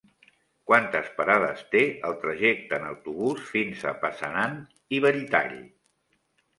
Quantes parades té el trajecte en autobús fins a Passanant i Belltall?